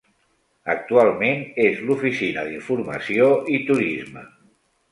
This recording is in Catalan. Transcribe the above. Actualment és l'oficina d'informació i turisme.